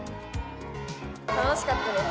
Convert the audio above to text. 楽しかったです。